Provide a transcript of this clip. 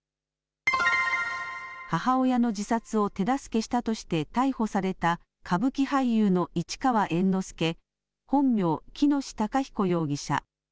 母親の自殺を手助けしたとして逮捕された歌舞伎俳優の市川猿之助、本名、喜熨斗孝彦容疑者。